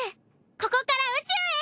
ここから宇宙へ！